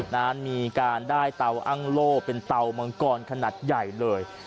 นั้นมีการได้เตาอ้างโล่เป็นเตามังกรขนาดใหญ่เลย